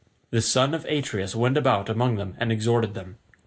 The son of Atreus went about among them and exhorted them.